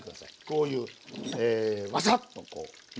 こういうワサッとこうね。